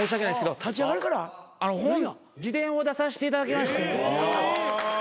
自伝を出させていただきまして。